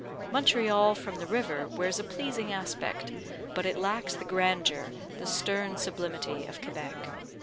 Montreal from the river wears a pleasing aspect, but it lacks the grandeur, the stern sublimity of Quebec.